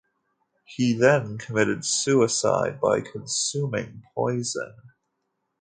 He then committed suicide by consuming poison.